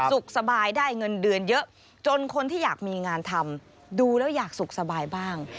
สุขสบายได้เงินเดือนเยอะจนคนที่อยากมีงานทำดูแล้วอยากสุขสบายบ้าง